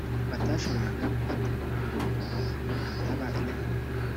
batashoboraga kuhatura, kuko hataba inka.